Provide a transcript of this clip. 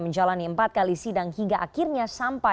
mengapa mengundurkan diri dari kpk di hari yang sama